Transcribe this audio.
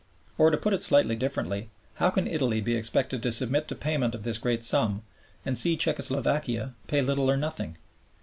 Or, to put it slightly differently, how can Italy be expected to submit to payment of this great sum and see Czecho Slovakia pay little or nothing?